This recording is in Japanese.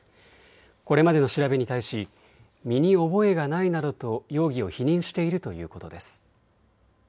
これまでの調べに対し身に覚えがないなどと容疑を否認しているということです。